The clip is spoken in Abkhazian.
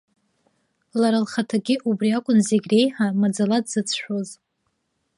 Лара лхаҭагьы убри акәын зегь реиҳа маӡала дзыцәшәоз.